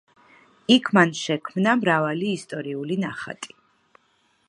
იქ მან შექმნა მრავალი ისტორიული ნახატი.